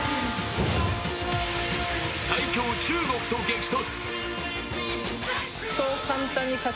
最強・中国と激突。